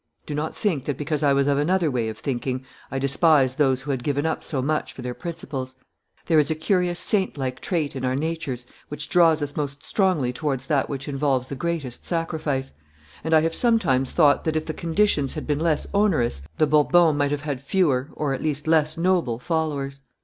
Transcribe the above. Do not think that, because I was of another way of thinking, I despised those who had given up so much for their principles. There is a curious saint like trait in our natures which draws us most strongly towards that which involves the greatest sacrifice, and I have sometimes thought that if the conditions had been less onerous the Bourbons might have had fewer, or at least less noble, followers.